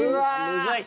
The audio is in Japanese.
むずい。